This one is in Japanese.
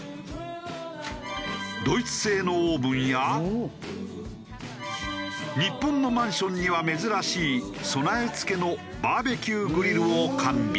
ドイツ製のオーブンや日本のマンションには珍しい備え付けのバーベキューグリルを完備。